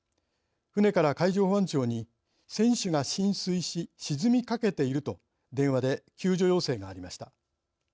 船から海上保安庁に船首が浸水し、沈みかけていると電話で救助要請がありました。